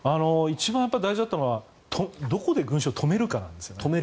一番大事だったのはどこで群衆を止めるかなんですね。